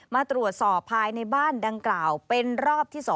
มาตรวจสอบภายในบ้านดังกล่าวเป็นรอบที่๒